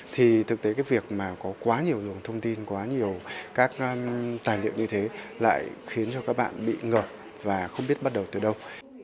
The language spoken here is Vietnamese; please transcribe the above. thì thực tế cái việc mà có quá nhiều luồng thông tin quá nhiều các tài liệu như thế lại khiến cho các bạn bị ngờ và không biết bắt đầu từ đâu